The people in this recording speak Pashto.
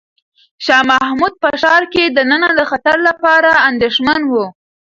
شاه محمود په ښار کې دننه د خطر لپاره اندېښمن و.